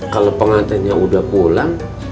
kalo pengantinnya udah pulang